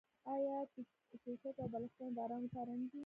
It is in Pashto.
آیا توشکې او بالښتونه د ارام لپاره نه دي؟